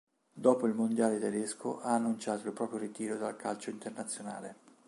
Dopo il mondiale tedesco ha annunciato il proprio ritiro dal calcio internazionale.